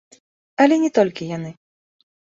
Але не толькі яны.